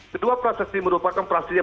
kedua prosesi merupakan prosesi yang berlangsung